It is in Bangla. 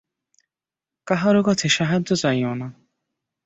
কাহারও কাছে সাহায্য চাহিও না।